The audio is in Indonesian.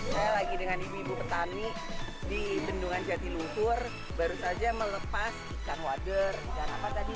saya lagi dengan ibu ibu petani di bendungan jatiluhur baru saja melepas ikan wader ikan apa tadi